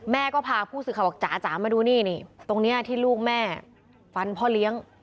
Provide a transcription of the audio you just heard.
แม่ก็พาผู้สื่อข่าวบอกจ๋าจ๋ามาดูนี่นี่ตรงนี้ที่ลูกแม่ฟันพ่อเลี้ยง